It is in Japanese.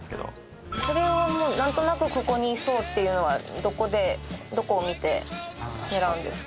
「これはもうなんとなくここにいそうっていうのはどこでどこを見て狙うんですか？」